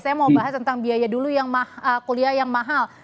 saya mau bahas tentang biaya dulu yang kuliah yang mahal